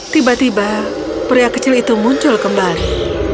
tiba tiba pria kecil itu muncul kembali